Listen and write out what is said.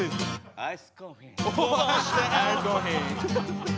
「アイスコーヒー」。